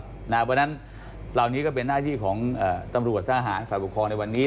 เพราะฉะนั้นเหล่านี้ก็เป็นหน้าที่ของตำรวจทหารฝ่ายปกครองในวันนี้